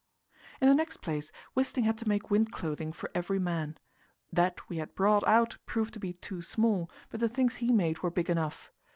In the next place, Wisting had to make wind clothing for every man. That we had brought out proved to be too small, but the things he made were big enough.